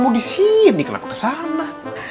kamu disini kenapa kesana